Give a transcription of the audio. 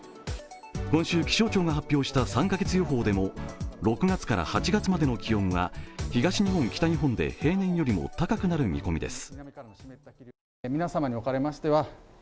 今週、気象庁が発表した３カ月予報でも６月から８月までの気温が東日本・北日本で平年より高くなる見込みです。